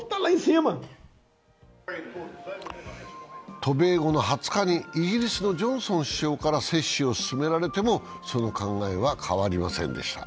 渡米後の２０日にイギリスのジョンソン首相から接種を勧められてもその考えは変わりませんでした。